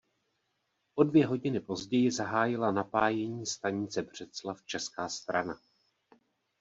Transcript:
O dvě hodiny později zahájila napájení stanice Břeclav česká strana.